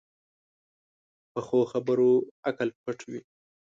پخو خبرو عقل پټ وي